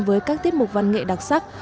với các tiết mục văn nghệ đặc sắc